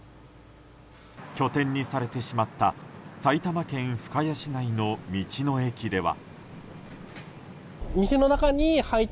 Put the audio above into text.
拠点にされてしまった埼玉県深谷市内の道の駅では。